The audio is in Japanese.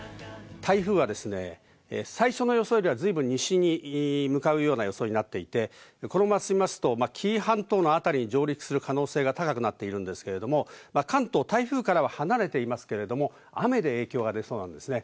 台風はですね、最初の予想よりはずいぶん西に向かうような予想になっていて、このまま進みますと紀伊半島の辺りに上陸する可能性が高くなっているんですけれども、関東、台風からは離れていますけれども、雨で影響が出そうなんですね。